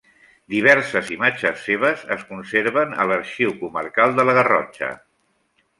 Diverses imatges seves es conserven a l'Arxiu Comarcal de la Garrotxa.